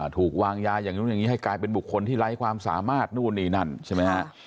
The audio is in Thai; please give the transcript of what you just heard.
ถูกวางยาอย่างนู้นอย่างนี้ให้กลายเป็นบุคคลที่ไร้ความสามารถนู่นนี่นั่นใช่ไหมฮะ